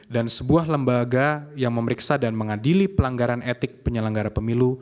dan sebuah lembaga yang memeriksa dan mengadili pelanggaran etik penyelenggara pemilu